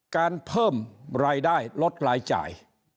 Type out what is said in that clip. การเพิ่มรายได้ลดรายจ่าย